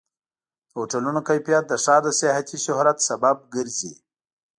د هوټلونو کیفیت د ښار د سیاحتي شهرت سبب ګرځي.